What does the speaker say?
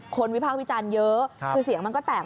วิภาควิจารณ์เยอะคือเสียงมันก็แตก